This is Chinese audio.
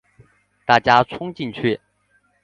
大家冲进去